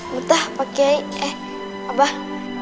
betah pakai eh abah